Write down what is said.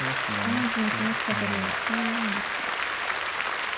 怖い気もしましたけどそうやるんですか。